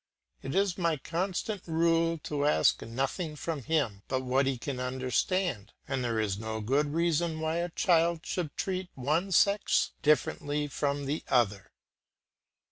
It is my constant rule to ask nothing from him but what he can understand, and there is no good reason why a child should treat one sex differently from the other.